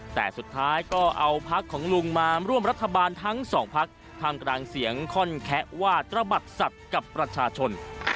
แต่สุดท้ายก็เอาพักของลุงมาร่วมรัฐบาลทั้งสองพักทำกลางเสียงค่อนแคะว่าตระบัดสัตว์กับประชาชน